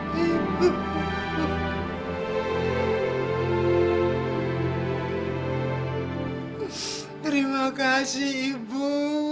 terima kasih ibu